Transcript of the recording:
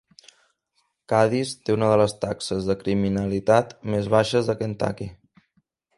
Cadis té una de les taxes de criminalitat més baixes de Kentucky.